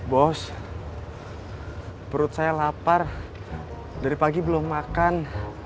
bos perut saya lapar dari pagi belum makan